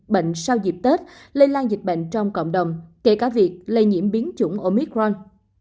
bệnh sau dịp tết lây lan dịch bệnh trong cộng đồng kể cả việc lây nhiễm biến chủng omitron